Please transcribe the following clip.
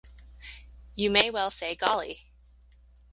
You may well say 'Golly!'